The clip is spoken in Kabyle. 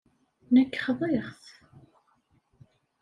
Nekk xḍiɣ-t.